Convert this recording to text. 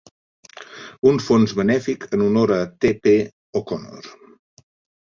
Un fons benèfic en honor a T. P. O'Connor.